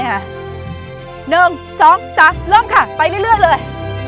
๑๒๓เริ่มค่ะไปเรื่อยเลย